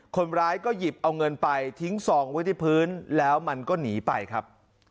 คนร้ายก็หยิบเอาเงินไปทิ้งซองไว้ที่พื้นแล้วมันก็หนีไปครับ